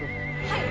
はい。